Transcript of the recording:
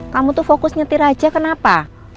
kamu tuh fokus nyetir aja kenapa